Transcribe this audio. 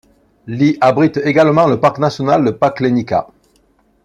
Ii abrite également le parc national de Paklenica.